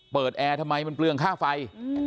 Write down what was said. เปิดแอร์ทำไมมันเปลืองข้างไฟ